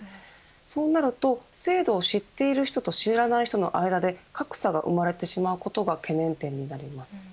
そうなると制度を知っている人と知らない人の間で格差が生まれてしまうことが懸念点になります。